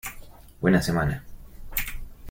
Buena semana.